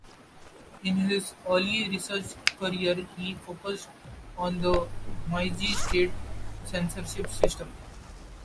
In his early research career he focused on the Meiji state censorship system.